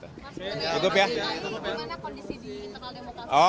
masih di mana kondisi di internal demokrasi